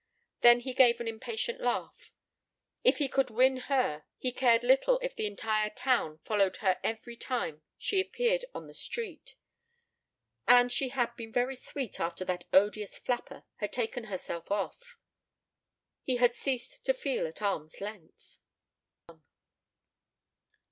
Then he gave an impatient sigh. If he could win her he cared little if the entire town followed her every time she appeared on the street. And she had been very sweet after that odious flapper had taken herself off. He had ceased to feel at arm's length.